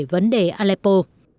vấn đề aleppo